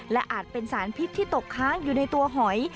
และอาจเป็นสารพิษที่ตกค้างอยู่ในตัวหอย